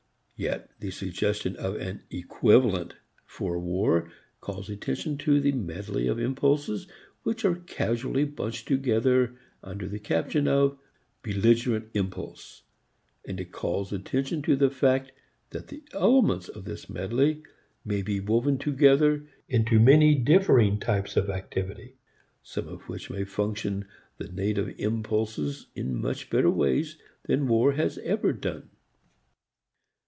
Yet the suggestion of an equivalent for war calls attention to the medley of impulses which are casually bunched together under the caption of belligerent impulse; and it calls attention to the fact that the elements of this medley may be woven together into many differing types of activity, some of which may function the native impulses in much better ways than war has ever done.